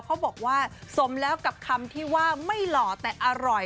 เขาบอกว่าสมแล้วกับคำที่ว่าไม่หล่อแต่อร่อย